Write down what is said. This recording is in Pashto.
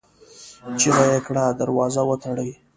چيغه يې کړه! دروازه وتړئ!